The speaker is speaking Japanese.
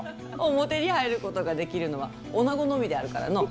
表に入ることができるのは女のみであるからの。